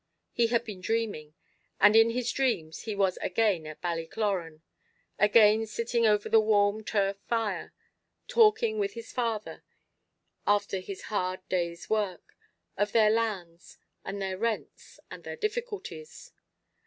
He had been dreaming and in his dreams he was again at Ballycloran again sitting over the warm turf fire, talking with his father, after his hard day's work, of their lands, and their rents, and their difficulties.